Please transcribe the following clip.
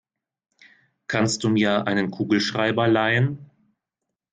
Kannst du mir einen Kugelschreiber leihen?